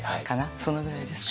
そのぐらいですかね。